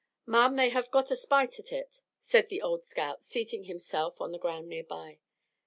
"Ma'am, they have got a spite at hit," said the old scout, seating himself on the ground near by.